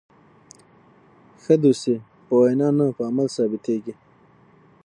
ښه دوستي په وینا نه، په عمل ثابتېږي.